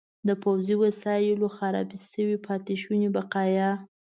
د پوځي وسایلو خراب شوي پاتې شوني بقایا.